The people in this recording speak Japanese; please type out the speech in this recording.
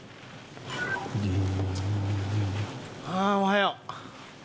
あおはよう。